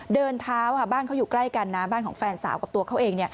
เดินเท้าบ้านเขาอยู่ใกล้กันนะบ้านของแฟนสาวกับตัวเขาเอง